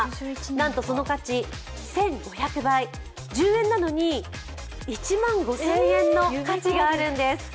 なんとその価値１５００倍、１０円なのに１万５０００円の価値があるんです。